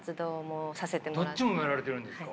どっちもやられてるんですか。